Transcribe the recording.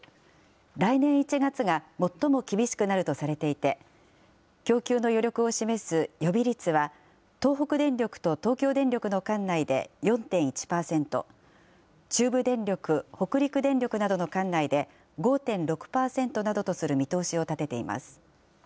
来年１月が最も厳しくなるとされていて、供給の余力を示す予備率は、東北電力と東京電力の管内で４．１％、中部電力、北陸電力などの管内で５．６％などとする見通しを立てています。